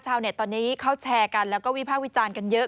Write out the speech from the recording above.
ชาวเน็ตตอนนี้เขาแชร์กันแล้วก็วิภาควิจารณ์กันเยอะ